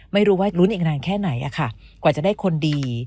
ไม่รู้ว่าลุ้นอีกนานแค่ไหนกว่าจะได้คนดี